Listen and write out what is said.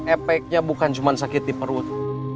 efeknya bukan cuma sakit di perut